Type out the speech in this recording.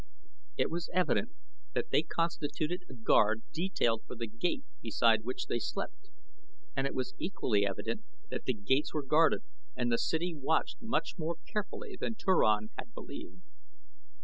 It was evident that they constituted a guard detailed for the gate beside which they slept, and it was equally evident that the gates were guarded and the city watched much more carefully than Turan had believed.